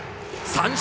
三振！